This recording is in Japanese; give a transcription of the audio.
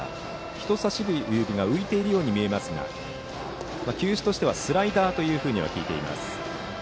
人さし指が浮いているように見えますが球種としてはスライダーだと聞いています。